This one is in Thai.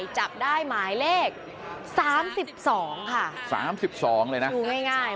ชูง่าย